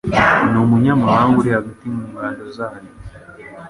n umunyamahanga uri hagati mu ngando zanyu